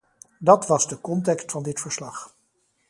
Dat was de context van dit verslag.